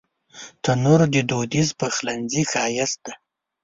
تنور د دودیز پخلنځي ښایست دی